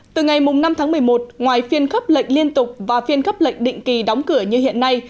từ ngày năm tháng một mươi một ngoài phiên khấp lệnh liên tục và phiên khấp lệnh định kỳ đóng cửa như hiện nay